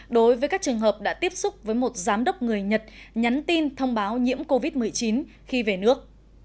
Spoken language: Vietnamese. đối với các trường hợp đã tiếp xúc với một giám đốc người nhật nhắn tin thông báo nhiễm covid một mươi chín khi về nước